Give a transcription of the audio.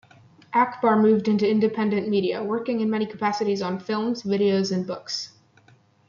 Achbar moved into independent media, working in many capacities on films, videos, and books.